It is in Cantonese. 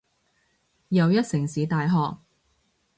又一城市大學